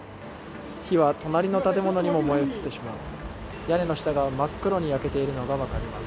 火は隣の建物にも燃え移ってしまっています。